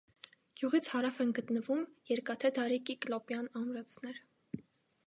Գյուղից հարավ են գտնվում երկաթե դարի կիկլոպյան ամրոցներ։